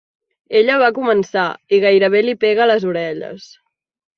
"Ella va començar i gairebé li pega a les orelles".